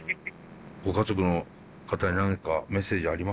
ご家族の方に何かメッセージありませんか？